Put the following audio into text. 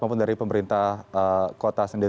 maupun dari pemerintah kota sendiri